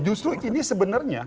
justru ini sebenarnya